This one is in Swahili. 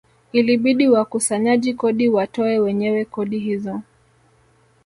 Ilibidi wakusanyaji kodi watoe wenyewe kodi hizo